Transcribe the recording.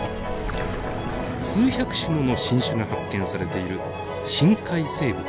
数百種もの新種が発見されている深海生物の宝庫です。